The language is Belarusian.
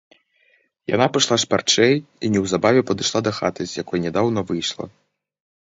Яна пайшла шпарчэй і неўзабаве падышла да хаты, з якой нядаўна выйшла.